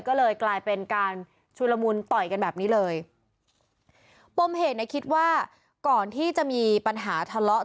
ก็เลยกลายเป็นการชุลมุนต่อยกันแบบนี้เลยปมเหตุเนี่ยคิดว่าก่อนที่จะมีปัญหาทะเลาะ